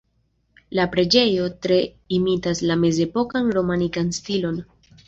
La preĝejo tre imitas la mezepokan romanikan stilon.